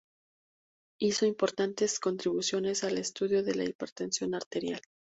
Hizo importantes contribuciones al estudio de la hipertensión arterial.